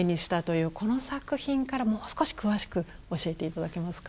この作品からもう少し詳しく教えて頂けますか？